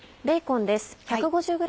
ベーコンです。